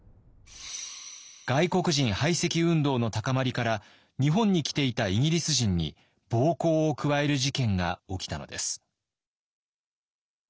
外国人排斥運動の高まりから日本に来ていたイギリス人に暴行を加える事件が起きたのです。